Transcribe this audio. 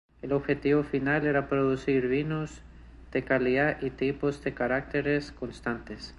El objetivo final era producir vinos de calidad y tipos de caracteres constantes.